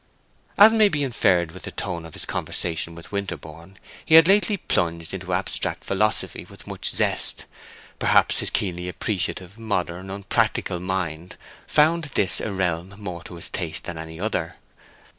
As may be inferred from the tone of his conversation with Winterborne, he had lately plunged into abstract philosophy with much zest; perhaps his keenly appreciative, modern, unpractical mind found this a realm more to his taste than any other.